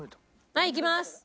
はいいきます。